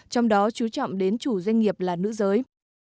trong đó chú trọng đến chủ doanh nghiệp là nữ giới